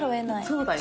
そうだよ。